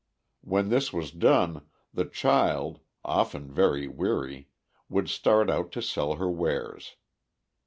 When this was done, the child, often very weary, would start out to sell her wares.